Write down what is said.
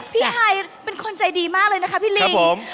ฮายเป็นคนใจดีมากเลยนะคะพี่ลิง